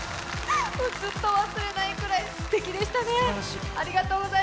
ずっと忘れないぐらいすてきでしたね。